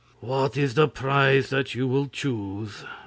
'What is the prize that you will choose?